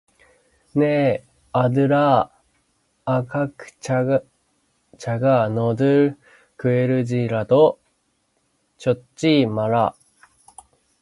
내 아들아 악한 자가 너를 꾈지라도 좇지 말라